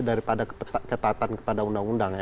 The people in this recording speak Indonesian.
daripada ketatan kepada undang undang